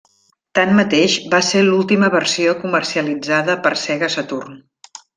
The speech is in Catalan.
Tanmateix, va ser l'última versió comercialitzada per Sega Saturn.